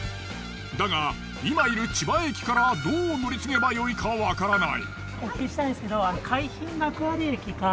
だが今いる千葉駅からどう乗り継げばいいかわからない。